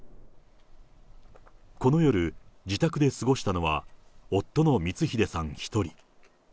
この夜、自宅で過ごしたのは、夫の光秀さん一人。